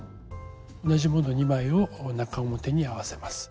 同じもの２枚を中表に合わせます。